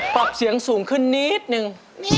ปรับเสียงสูงขึ้นนิดนึง